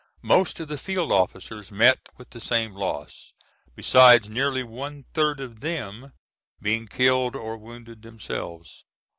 Most of the field officers met with the same loss, besides nearly one third of them being killed or wounded themselves.